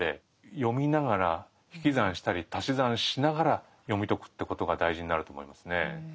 読みながら引き算したり足し算しながら読み解くってことが大事になると思いますね。